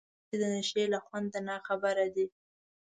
هغو ته چي د نشې له خونده ناخبر دي